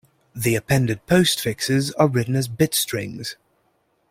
The appended postfixes are written as bit strings.